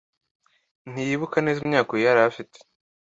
Ntiyibuka neza imyaka uyu yari afite.